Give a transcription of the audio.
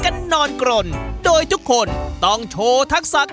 การนอนกรนนั่นก็สามารถเป็นการแข่งขันได้